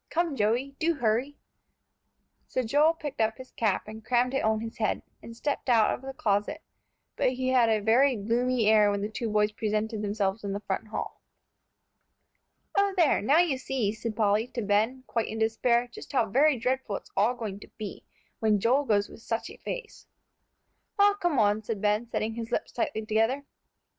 "Come, Joey, do hurry." So Joel picked up his cap and crammed it on his head, and stepped out of the closet, but he had a very gloomy air when the two boys presented themselves in the front hall. "O there! now you see," said Polly to Ben, quite in despair, "just how very dreadful it's all going to be, when Joel goes with such a face." "Well, come on," said Ben, setting his lips tightly together.